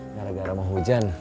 gara gara mau hujan